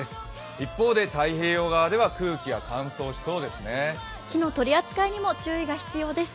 一方、太平洋側では空気が乾燥しそうですね。